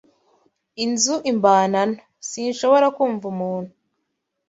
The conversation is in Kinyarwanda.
inzu imbana nto, sinshobora kumva umuntu